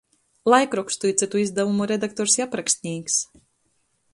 Laikrokstu i cytu izdavumu redaktors i aprakstnīks,